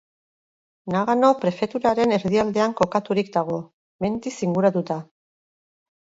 Nagano prefeturaren erdialdean kokaturik dago, mendiz inguratuta.